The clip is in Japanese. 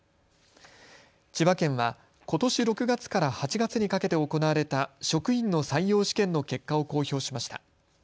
千葉県はことし６月から８月にかけて行われた職員の採用試験の結果を公表しました。